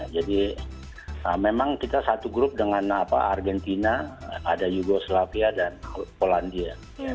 jadi memang kita satu grup dengan argentina ada yugoslavia dan polandia